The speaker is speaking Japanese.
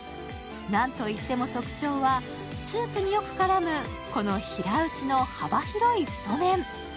なんといっても特徴は、スープによく絡むこの平打ちの幅広い太麺。